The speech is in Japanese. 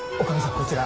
こちら。